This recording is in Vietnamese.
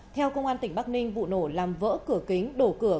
theo công an tỉnh bắc ninh vụ nổ làm vỡ cửa kính đổ cửa